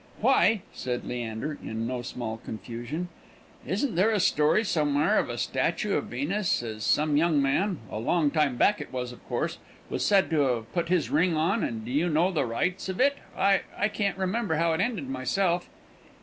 "Why," said Leander, in no small confusion, "isn't there a story somewhere of a statue to Venus as some young man (a long time back it was, of course) was said to have put his ring on? and do you know the rights of it? I I can't remember how it ended, myself."